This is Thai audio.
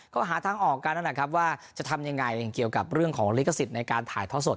ก็หาทางออกกันนั่นแหละครับว่าจะทำยังไงเกี่ยวกับเรื่องของลิขสิทธิ์ในการถ่ายท่อสด